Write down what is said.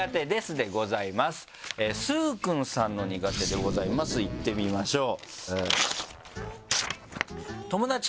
崇勲さんの苦手でございますいってみましょう。